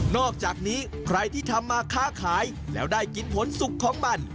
อกจากนี้ใครที่ทำมาค้าขายแล้วได้กินผลสุขของมัน